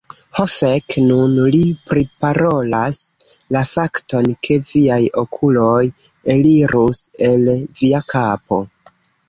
Ho fek. Nun li priparolas la fakton, ke viaj okuloj elirus el via kapo.